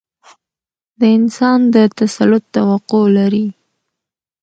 د انسان د تسلط توقع لري.